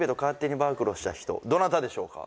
どなたでしょうか？